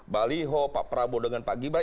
baliho pak prabowo dengan pak gibar